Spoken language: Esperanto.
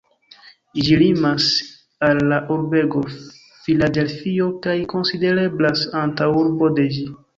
Ĝi limas al la urbego Filadelfio kaj konsidereblas antaŭurbo de ĝi.